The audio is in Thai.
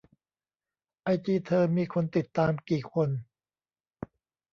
ไอจีเธอมีคนติดตามกี่คน